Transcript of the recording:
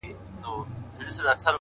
زه به د درد يوه بې درده فلسفه بيان کړم.